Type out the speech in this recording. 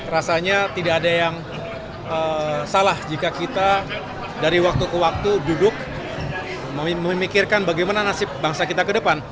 rasanya tidak ada yang salah jika kita dari waktu ke waktu duduk memikirkan bagaimana nasib bangsa kita ke depan